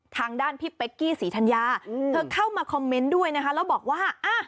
ทางด้านพี่เป๊กกี้ศรีธัญญาเธอเข้ามาคอมเมนต์ด้วยนะคะแล้วบอกว่า